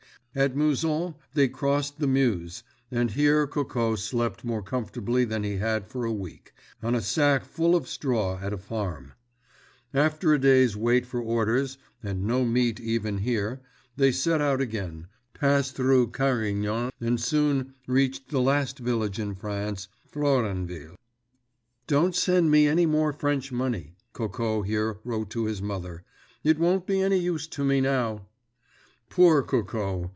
At Mouzon they crossed the Meuse, and here Coco slept more comfortably than he had for a week, on a sack full of straw at a farm. After a day's wait for orders—and no meat even here—they set out again, passed through Carignan, and soon reached the last village in France—Florenville. "Don't send me any more French money," Coco here wrote to his mother. "It won't be any use to me now!" Poor Coco!